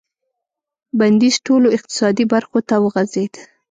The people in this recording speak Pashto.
بندیز ټولو اقتصادي برخو ته وغځېد.